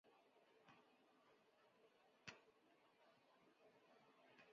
贝克的音乐生涯始于教堂合唱团。